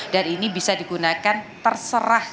dan ini bisa digunakan terserah